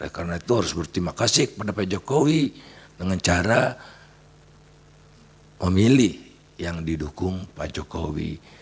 karena itu harus berterima kasih kepada pak jokowi dengan cara memilih yang didukung pak jokowi